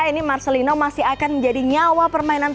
ini marcelino masih akan menjadi nyawa permainan